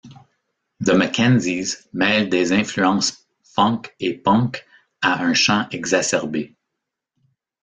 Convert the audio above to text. The Mackenzies mêlent des influences funk et punk à un chant exacerbé.